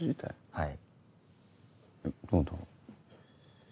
はい。